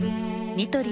ニトリ